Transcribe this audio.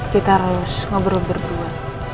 kita harus ngobrol berdua